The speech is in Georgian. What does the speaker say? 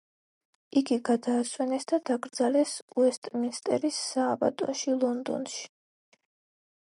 იგი გადაასვენეს და დაკრძალეს უესტმინსტერის სააბატოში, ლონდონში.